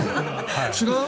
違う？